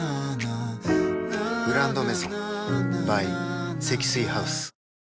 「グランドメゾン」ｂｙ 積水ハウス